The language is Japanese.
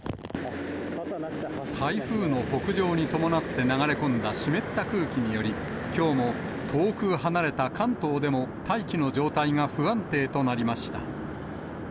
台風の北上に伴って流れ込んだ湿った空気により、きょうも遠く離れた関東でも大気の状態が不安定となりました。